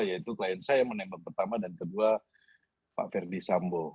yaitu klien saya yang menembak pertama dan kedua pak ferdi sambo